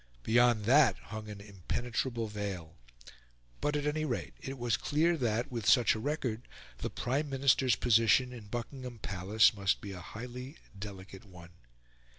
Beyond that hung an impenetrable veil. But at any rate it was clear that, with such a record, the Prime Minister's position in Buckingham Palace must be a highly delicate one.